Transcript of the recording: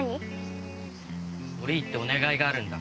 折り入ってお願いがあるんだ。